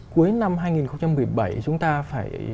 cuối năm hai nghìn một mươi bảy chúng ta phải